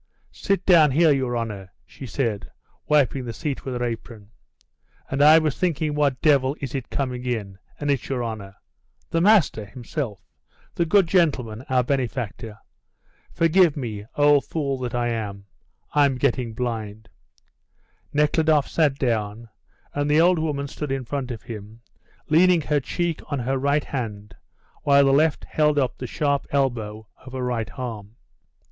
Sit down here, your honour," she said, wiping the seat with her apron. "And I was thinking what devil is it coming in, and it's your honour, 'the master' himself, the good gentleman, our benefactor. Forgive me, old fool that I am; I'm getting blind." Nekhludoff sat down, and the old woman stood in front of him, leaning her cheek on her right hand, while the left held up the sharp elbow of her right arm.